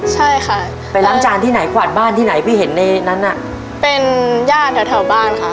ใช่ค่ะไปล้างจานที่ไหนกวาดบ้านที่ไหนพี่เห็นในนั้นน่ะเป็นญาติแถวแถวบ้านค่ะ